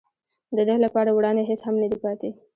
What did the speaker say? د ده لپاره وړاندې هېڅ هم نه دي پاتې.